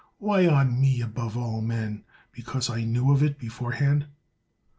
Why on me above all men? Because I knew of it beforehand?